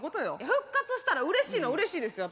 復活したらうれしいのはうれしいですよ